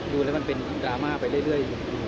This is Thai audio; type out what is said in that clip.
ดูแล้วมันเป็นดราม่าไปเรื่อย